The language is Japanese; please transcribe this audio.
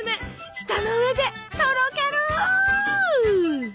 舌の上でとろける！